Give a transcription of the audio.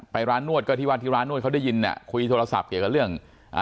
ไปร้านนวดก็ทีวันที่ร้านนวดเขาได้ยินคุยโทรศัพท์เกี่ยวกับเรื่อง